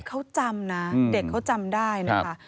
เขาจำนะเด็กเขาจำได้นะคะ